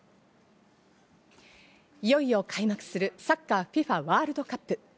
いよいよ開幕するサッカー・ＦＩＦＡワールドカップ。